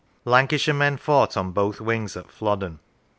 Lancashire men fought on both wings at Flodden.